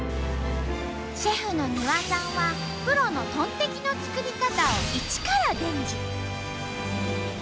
シェフの丹羽さんはプロのトンテキの作り方を一から伝授。